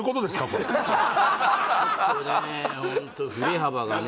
これちょっとねホント振り幅がね